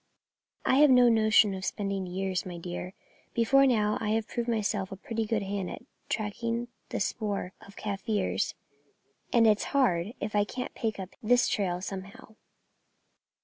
"I have no notion of spending years, my dear. Before now I have proved myself a pretty good hand at tracking the spoor of Kaffirs, and it's hard if I can't pick up this trail somehow."